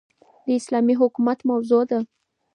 داسلامي حكومت موضوع